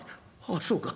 ああそうか。